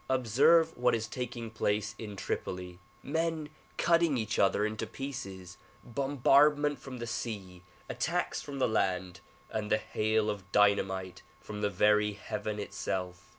Observe what is taking place in Tripoli ; men cutting each other into pieces ; bombardment from the sea, attacks from the land and the hail of dynamite from the very heaven itself.